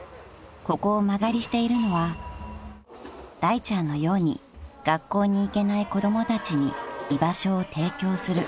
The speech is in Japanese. ［ここを間借りしているのはだいちゃんのように学校に行けない子供たちに居場所を提供する］